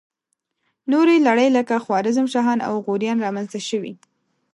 نورې لړۍ لکه خوارزم شاهان او غوریان را منځته شوې.